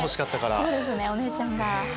そうですねお姉ちゃんが。